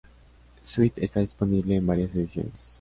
G Suite está disponible en varias ediciones.